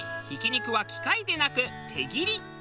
ひき肉は機械でなく手切り。